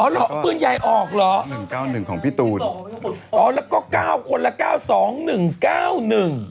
เหรอปืนใหญ่ออกเหรอหนึ่งเก้าหนึ่งของพี่ตูนอ๋อแล้วก็เก้าคนละเก้าสองหนึ่งเก้าหนึ่ง